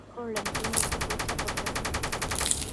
নিসার আলি ঠিক করলেন, তিনি একটি পরীক্ষা করবেন।